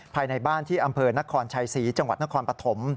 ภายในบ้านที่อำเภอนครชัยศรีจังหวัดนครปฐม